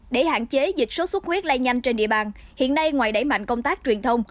để hạn chế dịch sốt xuất huyết lây nhanh trên địa bàn hiện nay ngoài đẩy mạnh công tác truyền thông